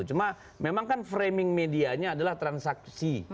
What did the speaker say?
cuma memang kan framing medianya adalah transaksi